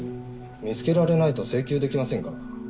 見つけられないと請求できませんから。